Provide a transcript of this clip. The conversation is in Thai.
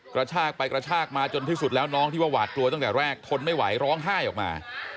กระชากไปกระชากมาจนที่สุดแล้วน้องที่ว่าหวาดกลัวตั้งแต่แรกทนไม่ไหวร้องไห้ออกมา